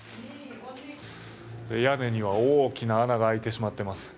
屋根には大きな穴が開いてしまっています。